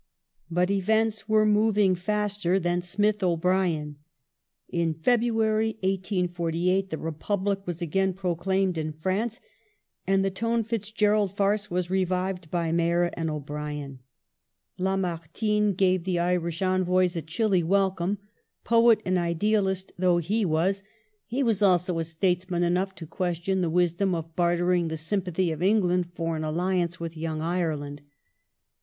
But events were moving faster than Smith O'Brien. In February, 1848, the Republic was again proclaimed in France and the Tone Fitzgerald farce was revived by Meagher and O'Brien. 1862] "YOUNG IRELAND" AND '48 189 Lamartine gave the Irish envoys a chilly welcome. Poet and idealist though he was, he was also statesman enough to question the wisdom of bartering the sympathy of England for an alliance with "Young Ireland